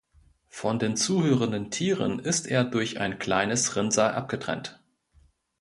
Von den zuhörenden Tieren ist er durch ein kleines Rinnsal abgetrennt.